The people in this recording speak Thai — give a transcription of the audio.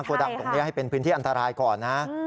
โกดังตรงนี้ให้เป็นพื้นที่อันตรายก่อนนะ